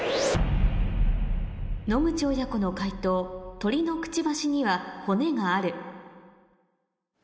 野口親子の解答「鳥のくちばしには骨がある」